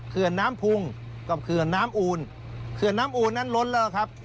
เขื่อนน้ำพุงกับเขื่อนน้ำอูลเขื่อนน้ำอูนนั้นล้นแล้วครับ